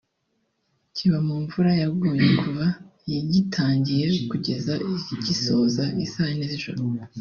kiba mu mvura yaguye kuva gitangiye kugeza gisojwe isaa Yine z'ijoro